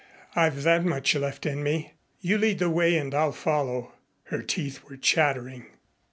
I've that much left in me. You lead the way and I'll follow." Her teeth were chattering.